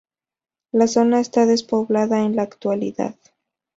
La zona está despoblada en la actualidad.